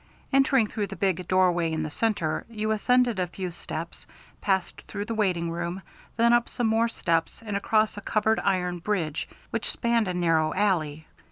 Entering through the big doorway in the centre, you ascended a few steps, passed through the waiting room, then up some more steps and across a covered iron bridge which spanned a narrow alley.